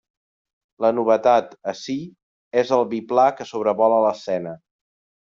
La novetat, ací, és el biplà que sobrevola l'escena.